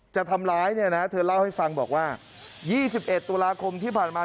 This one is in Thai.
จะทำร้ายเนี่ยนะเธอเล่าให้ฟังบอกว่า๒๑ตุลาคมที่ผ่านมา